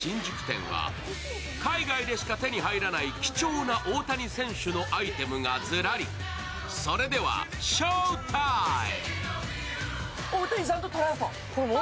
訪れたセレクション新宿店は、海外でしか手に入らない貴重な大谷選手のアイテムがズラリ、それでは翔タイム。